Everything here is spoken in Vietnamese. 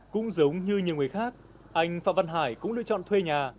cũng giống như nhiều người khác anh phạm văn hải cũng lựa chọn thuê nhà